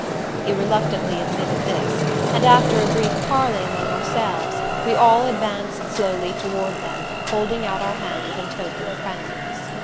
He reluctantly admitted this; and after a brief parley among ourselves, we all advanced slowly toward them, holding out our hands in token of friendliness.